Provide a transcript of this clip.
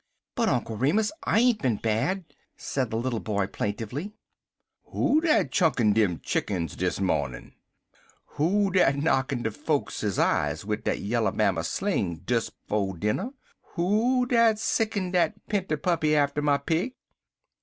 "But, Uncle Remus, I ain't bad," said the little boy plaintively. "Who dat chunkin' dem chickens dis mawnin? Who dat knockin' out fokes's eyes wid dat Yallerbammer sling des 'fo' dinner? Who dat sickin' dat pinter puppy atter my pig?